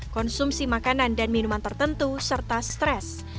konsumsi makanan dan minuman tertentu serta stres